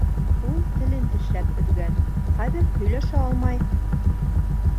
Ул телен тешләп өҙгән, хәҙер һөйләшә алмай.